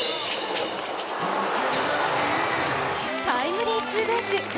タイムリーツーベース。